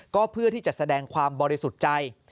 ก็เพื่อที่จะแสดงความบริสุทธิ์ใจ